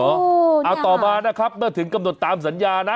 เอาต่อมานะครับเมื่อถึงกำหนดตามสัญญานะ